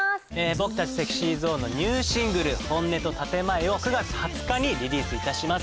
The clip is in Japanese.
僕たちＳｅｘｙＺｏｎｅのニューシングル『本音と建前』を９月２０日にリリースいたします。